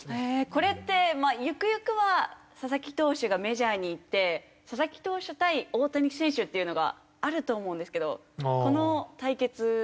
これってゆくゆくは佐々木投手がメジャーに行って佐々木投手対大谷選手っていうのがあると思うんですけどこの対決どうなると思いますか？